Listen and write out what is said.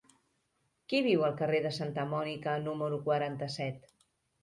Qui viu al carrer de Santa Mònica número quaranta-set?